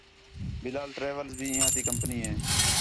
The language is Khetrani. بلال ٹریولز بھی اِنہیاں تی کمپنی ہے